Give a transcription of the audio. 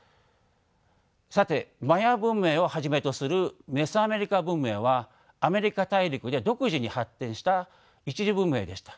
さてマヤ文明をはじめとするメソアメリカ文明はアメリカ大陸で独自に発展した一次文明でした。